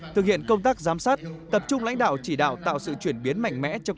thực hiện công tác giám sát tập trung lãnh đạo chỉ đạo tạo sự chuyển biến mạnh mẽ trong